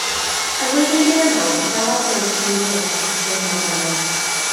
Y flwyddyn ddilynol dychwelodd Jones i Gymru yn genhadwr Mormonaidd.